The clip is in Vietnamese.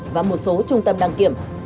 và một số trung tâm đăng kiểm